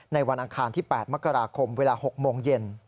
วันอังคารที่๘มกราคมเวลา๖โมงเย็น